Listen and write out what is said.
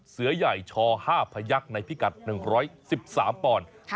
เสือใหญ่ช่อ๕พยักในพิกัด๑๑๓ป่อน